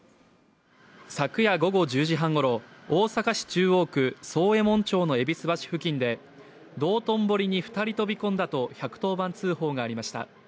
昨夜午後１０時半ごろ、大阪市中央区宗右衛門町の戎橋付近で道頓堀に２人飛び込んだと１１０番通報がありました。